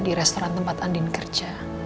di restoran tempat andin kerja